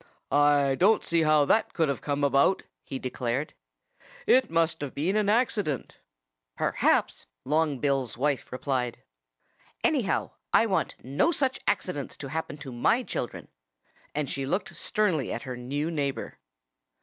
"I don't see how that could have come about," he declared. "It must have been an accident." "Perhaps!" Long Bill's wife replied. "Anyhow, I want no such accidents to happen to my children." And she looked sternly at her new neighbor.